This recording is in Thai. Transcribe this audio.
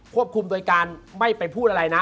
คุมโดยการไม่ไปพูดอะไรนะ